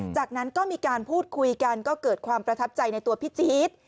จากนั้นก็มีการพูดคุยกันก็เกิดความประทับใจในตัวพี่จี๊ด